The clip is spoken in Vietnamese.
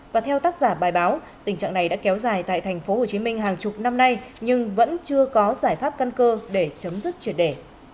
và theo tác giả bài báo tình trạng này đã kéo dài tại tp hcm hàng chục năm nay nhưng vẫn chưa có giải pháp căn cơ để chấm dứt triệt đề